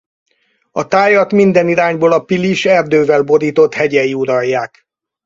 A tájat minden irányból a Pilis erdővel borított hegyei uralják.